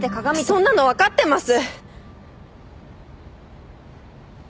そんなのわかってます！